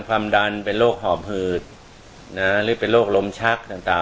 ความดันเป็นโรคหอบหืดหรือเป็นโรคลมชักต่าง